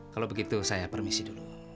kalau begitu saya permisi dulu